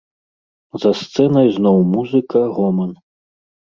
За сцэнай зноў музыка, гоман.